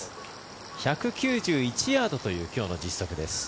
１９１ヤードという今日の実測です。